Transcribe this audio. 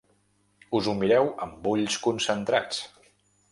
Us ho mireu amb ulls concentrats.